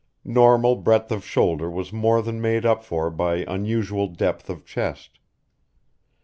Normal breadth of shoulder was more than made up for by unusual depth of chest.